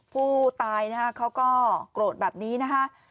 ผู้ตายนะฮะเขาก็โกรธแบบนี้นะคะ